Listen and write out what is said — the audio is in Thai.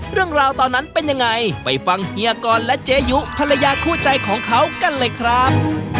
เรื่องราวตอนนั้นเป็นยังไงไปฟังเฮียกรและเจยุภรรยาคู่ใจของเขากันเลยครับ